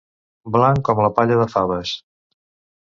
Blanc com la palla de faves.